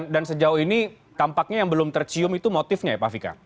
dan sejauh ini tampaknya yang belum tercium itu motifnya ya pak fika